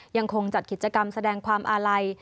ยังคงจัดกิจกรรมแสดงความอาลัย